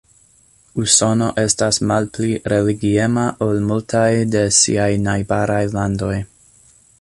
Usono estas malpli religiema ol multaj de siaj najbaraj landoj.